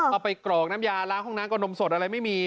กรอกน้ำยาล้างห้องน้ำก็นมสดอะไรไม่มี